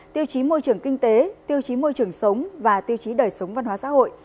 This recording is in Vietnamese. tiêu chí môi trường kinh tế tiêu chí môi trường sống và tiêu chí đời sống văn hóa sáng